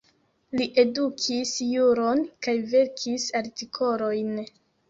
Li edukis juron kaj verkis artikolojn.